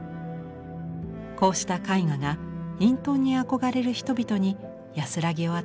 こうした絵画が隠遁に憧れる人々に安らぎを与えました。